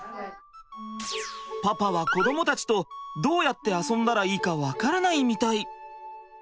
パパは子どもたちとどうやって遊んだらいいか分からないみたい。